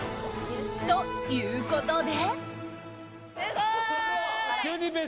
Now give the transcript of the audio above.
ということで。